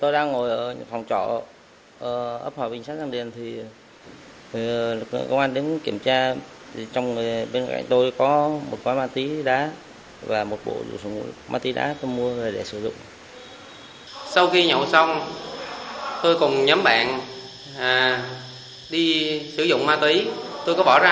để mua ma túy cùng nhóm bạn để tổ chức sử dụng là bị công an bắt